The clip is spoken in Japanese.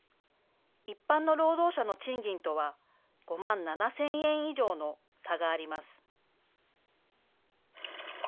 一般の労働者の賃金とは５万７０００円以上の差があります。